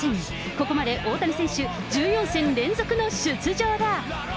ここまで大谷選手、１４戦連続の出場だ。